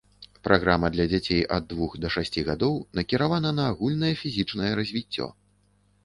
Праграма для дзяцей ад двух да шасці гадоў накіравана на агульнае фізічнае развіццё.